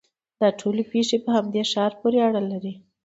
دا ټولې پېښې په همدې ښار پورې اړه لري.